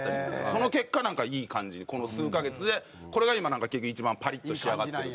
その結果なんかいい感じにこの数カ月でこれが今なんか結局一番パリッと仕上がってる。